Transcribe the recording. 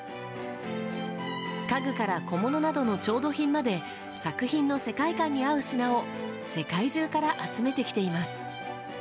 家具から小物などの調度品まで作品の世界観に合う品を世界中から集めてきています。